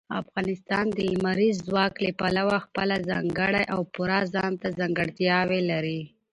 افغانستان د لمریز ځواک له پلوه خپله ځانګړې او پوره ځانته ځانګړتیاوې لري.